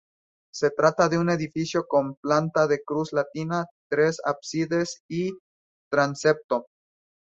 Se trata de un edificio con planta de cruz latina, tres ábsides y transepto.